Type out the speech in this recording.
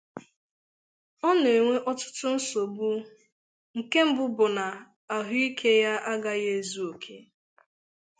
ọ na-enwe ọtụtụ nsogbu. Nke mbụ bụ na ahụ ike ya agaghị ezu oke